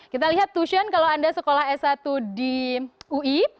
kita lihat tussion kalau anda sekolah s satu di ui